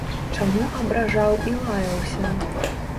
Чаму абражаў і лаяўся?